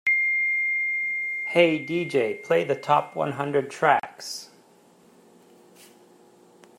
"Hey DJ, play the top one hundred tracks"